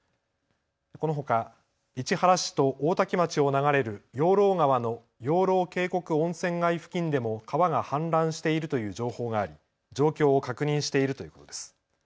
このほか市原市と大多喜町を流れる養老川の養老渓谷温泉街付近でも川が氾濫しているという情報があり、状況を確認しているということです。